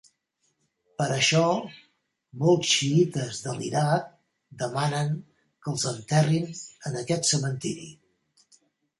Per això, molts xiïtes de l'Iraq demanen que els enterrin en aquest cementiri.